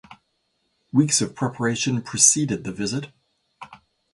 Weeks of preparation preceded the visit.